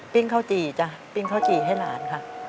ข้าวจี่จ้ะปิ้งข้าวจี่ให้หลานค่ะ